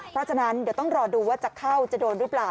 เพราะฉะนั้นเดี๋ยวต้องรอดูว่าจะเข้าจะโดนหรือเปล่า